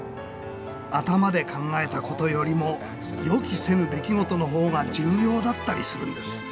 頭で考えたことよりも予期せぬ出来事の方が重要だったりするんです。